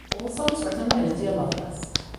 All songs written by Lydia Loveless